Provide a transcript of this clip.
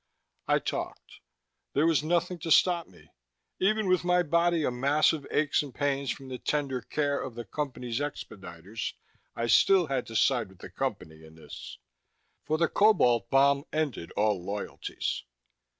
I talked. There was nothing to stop me. Even with my body a mass of aches and pains from the tender care of the Company's expediters, I still had to side with the Company in this. For the Cobalt bomb ended all loyalties.